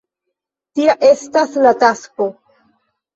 Tia estas la tasko.